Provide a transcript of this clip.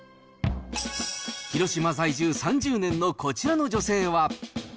広島在住３０年のこちらの女性は。